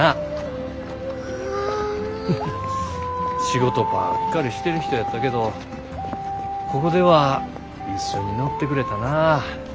仕事ばっかりしてる人やったけどここでは一緒に乗ってくれたなぁ。